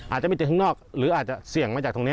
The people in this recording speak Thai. อาจจะมีแต่ข้างนอกหรืออาจจะเสี่ยงมาจากตรงนี้